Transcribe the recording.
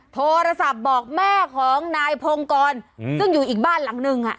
โทรศัพท์บอกแม่ของนายพงกรซึ่งอยู่อีกบ้านหลังนึง